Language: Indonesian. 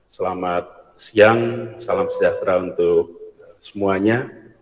selamat siang salam sejahtera untuk semuanya